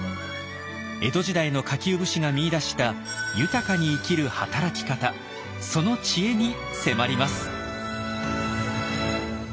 江戸時代の下級武士が見いだした“豊かに生きる”働き方その知恵に迫ります。